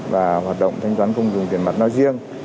và hoạt động thanh toán không dùng tiền mặt nói riêng